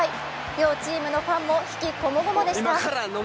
両チームのファンも悲喜こもごもでした。